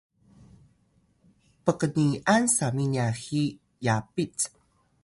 pkni’an sami nya hi yapit